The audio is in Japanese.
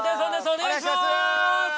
お願いします